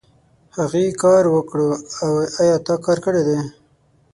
هغې کار وکړو ايا تا کار کړی دی ؟